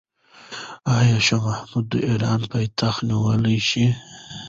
آیا شاه محمود د ایران پایتخت نیولی شي؟